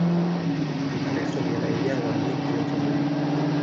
Mkristo ni raia wa miji yote miwili.